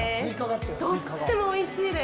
とってもおいしいです。